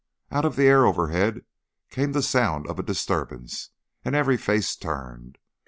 Out of the air overhead came the sound of a disturbance, and every face turned.